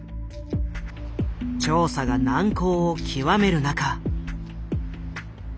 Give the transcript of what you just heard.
調査が難航を極める中。